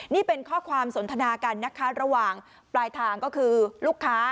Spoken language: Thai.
นี่เป็นข้อความสนทนากันนะคะระหว่างปลายทางก็คือลูกค้า